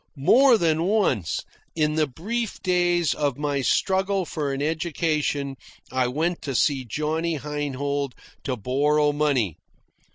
More than once, in the brief days of my struggle for an education, I went to Johnny Heinhold to borrow money.